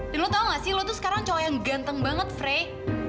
dan lo tau nggak sih lo tuh sekarang cowok yang ganteng banget frey